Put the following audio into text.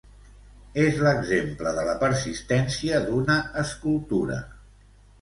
És l'exemple de la persistència d'una escultura.